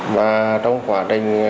và trong quá trình